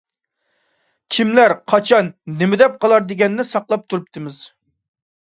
كېملەر قاچان نېمە دەپ قالار، دېگەننى ساقلاپ تۇرۇپتىمىز.